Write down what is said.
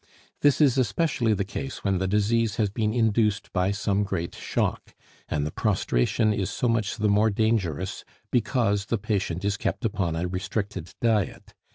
This is especially the case when the disease has been induced by some great shock; and the prostration is so much the more dangerous because the patient is kept upon a restricted diet.